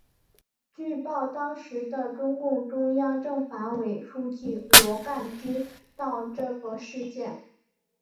据报当时的中共中央政法委书记罗干知道这个事件。